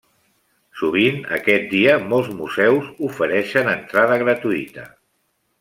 Sovint, aquest dia molts museus ofereixen entrada gratuïta.